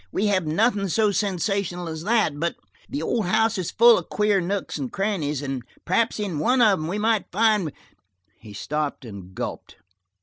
"We have nothing so sensational as that, but the old house is full of queer nooks and crannies, and perhaps, in one of them, we might find–" he stopped and gulped.